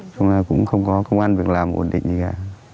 xong là cũng không có công an việc làm ổn định gì cả